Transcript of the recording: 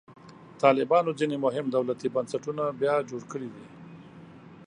طالبانو ځینې مهم دولتي بنسټونه بیا جوړ کړي دي.